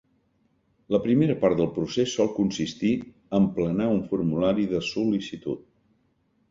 La primera part del procés sol consistir a emplenar un formulari de sol·licitud.